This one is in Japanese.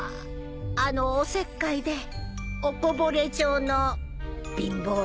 あのおせっかいでおこぼれ町の貧乏くせえ。